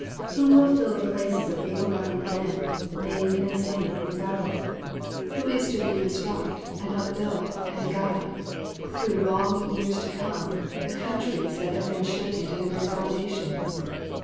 Who will fill the places of able bodied men, maimed and slain in battle? Who is to reconstruct and upbuild and guide through long years to come the countries that have been shaken to their very foundations?